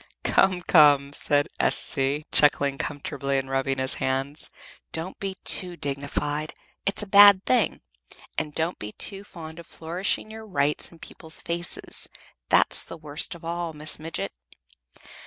'" "Come, come!" said S.C., chuckling comfortably and rubbing his hands. "Don't be too dignified, it's a bad thing. And don't be too fond of flourishing your rights in people's faces, that's the worst of all, Miss Midget.